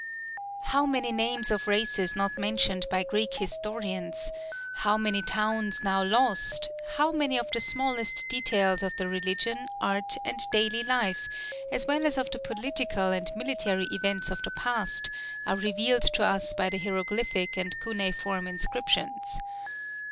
How many names of races not mentioned by Greek historians, how many towns now lost, how many of the smallest details of the religion, art, and daily life, as well as of the political and military events of the past, are revealed to us by the hieroglyphic and cuneiform inscriptions.